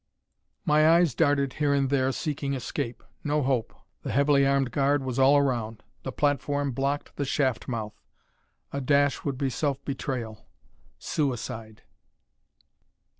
My eyes darted here and there, seeking escape. No hope the heavily armed guard was all around; the platform blocked the shaft mouth. A dash would be self betrayal suicide.